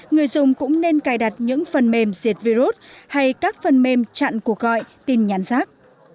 người dùng cũng nên cài đặt những phần mềm diệt virus hay các phần mềm chặn cuộc gọi tin nhắn rác